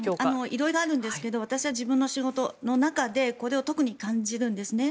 色々あるんですけど私は自分の仕事の中でこれを特に感じるんですね。